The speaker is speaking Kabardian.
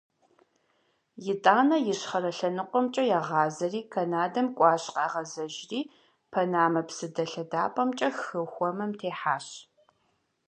Итӏанэ Ищхъэрэ лъэныкъуэмкӏэ ягъазэри, Канадэм кӏуащ, къагъэзэжри, Панамэ псыдэлъэдапӏэмкӏэ хы Хуэмым техьащ.